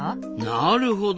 なるほど。